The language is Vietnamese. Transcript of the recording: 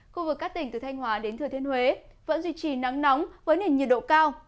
khu vực các tỉnh từ thanh hóa đến thừa thiên huế vẫn duy trì nắng nóng với nền nhiệt độ cao